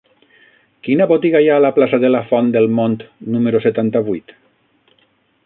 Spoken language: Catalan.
Quina botiga hi ha a la plaça de la Font del Mont número setanta-vuit?